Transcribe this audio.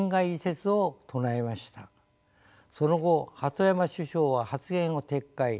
その後鳩山首相は発言を撤回。